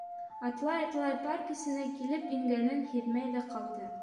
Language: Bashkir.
Атлай-атлай, парк эсенә килеп ингәнен һиҙмәй ҙә ҡалды.